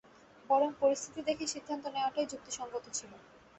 বরং পরিস্থিতি দেখে সিদ্ধান্ত নেওয়াটাই যুক্তিসংগত ছিল।